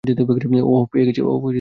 ওহ - পেয়ে গেছি।